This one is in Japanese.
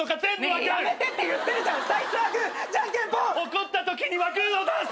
怒ったときにはグーを出す！